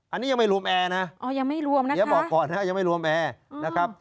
อันนี้ยังไม่รวมแอร์นะอย่าบอกก่อนนะครับยังไม่รวมแอร์นะครับ